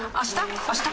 あした？